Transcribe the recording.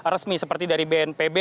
resmi seperti dari bnpb